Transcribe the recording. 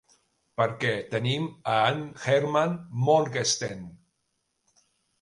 Per què, tenim a en Herman Morgenstern.